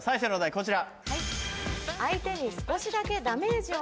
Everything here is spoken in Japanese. こちら。